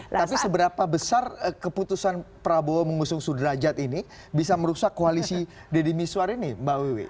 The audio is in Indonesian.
tapi seberapa besar keputusan prabowo mengusung sudrajat ini bisa merusak koalisi deddy miswar ini mbak wiwi